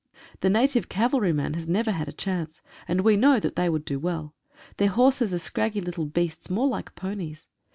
The native cavalry man has never had a chance, and we know that they would do well. Their horses are scraggy little beasts, more like ponies.